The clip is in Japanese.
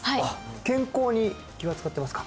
健康に気は使ってますか？